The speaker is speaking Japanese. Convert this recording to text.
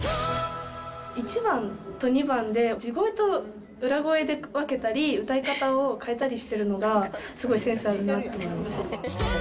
１番と２番で、地声と裏声で分けたり、歌い方を変えたりしてるのが、すごいセンスあるなと思います。